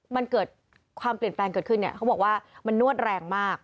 มันเกิดความเปลี่ยนแปลงเกิดขึ้นเนี่ยเขาบอกว่ามันนวดแรงมาก